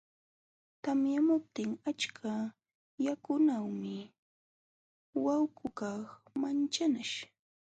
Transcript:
Tamyamuptin achka yakuwanmi wayqukaq manchanaśh.